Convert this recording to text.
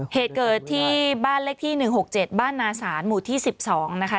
เหตุเกิดที่บ้านเลขที่๑๖๗บ้านนาศาลหมู่ที่๑๒นะคะ